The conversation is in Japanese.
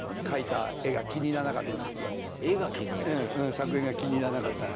作品が気に入らなかった。